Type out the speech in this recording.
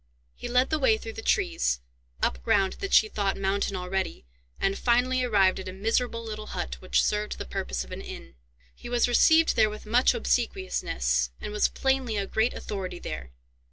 He led the way through the trees, up ground that she thought mountain already, and finally arrived at a miserable little hut, which served the purpose of an inn. He was received there with much obsequiousness, and was plainly a great authority there.